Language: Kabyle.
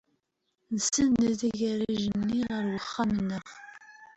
Nsenned agaṛaj-nni ɣer wexxam-nneɣ.